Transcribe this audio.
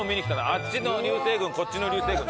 あっちの流星群こっちの流星群。